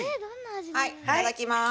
はいいただきます。